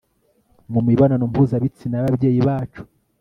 mu mibonano mpuzabitsina y'ababyeyi bacu